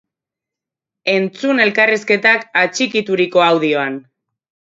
Entzun elkarrizketak atxikituriko audioan!